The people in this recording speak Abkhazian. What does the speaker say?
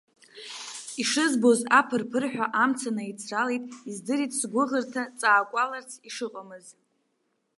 Ишызбоз аԥыр-ԥырҳәа амца наицралеит, издырит сгәыӷырҭа ҵаакәаларц ишыҟамыз.